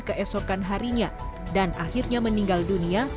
keesokan harinya dan akhirnya meninggal dunia